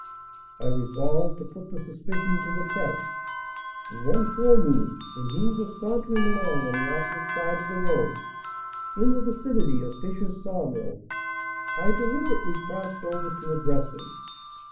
I resolved to put the suspicion to the test, and one forenoon, when he was sauntering along on the opposite side of the road, in the vicinity of Fisher's sawmill, I deliberately crossed over to address him.